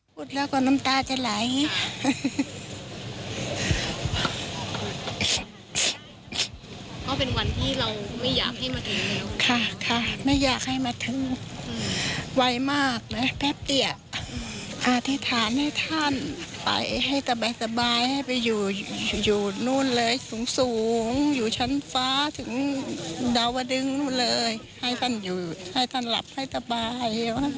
เป็นทางที่พวกเขาสูงอยู่ชั้นฟ้าถึงดาวดึงให้ท่านหลับให้ตบาย